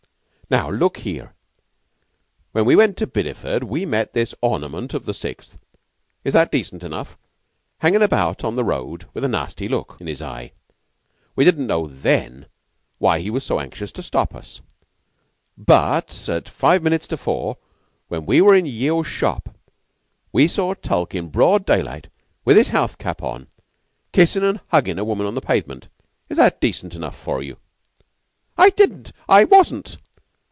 Now look here. When we went into Bideford we met this ornament of the Sixth is that decent enough? hanging about on the road with a nasty look in his eye. We didn't know then why he was so anxious to stop us, but at five minutes to four, when we were in Yeo's shop, we saw Tulke in broad daylight, with his house cap on, kissin' an' huggin' a woman on the pavement. Is that decent enough for you?" "I didn't I wasn't."